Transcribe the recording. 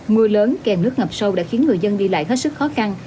mưa lớn kèm nước ngập sâu đã khiến người dân đi lại hết sức khó khăn